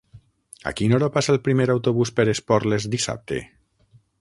A quina hora passa el primer autobús per Esporles dissabte?